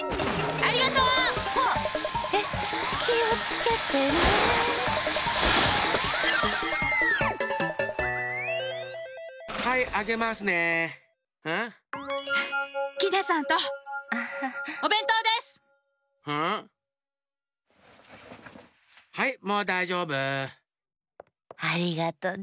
ありがとね